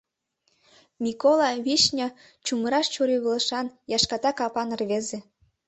Микола Вишня чумыраш чурийвылышан, яшката капан рвезе.